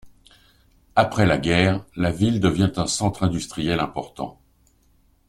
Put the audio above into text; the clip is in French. Après la guerre, la ville devient un centre industriel important.